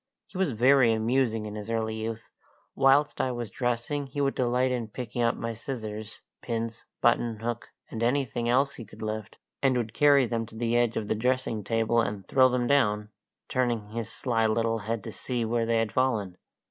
He was very amusing in his early youth. Whilst I was dressing he would delight in picking up my scissors, pins, buttonhook, and anything else he could lift, and would carry them to the edge of the dressing table and throw them down, turning his sly little head to see where they had fallen.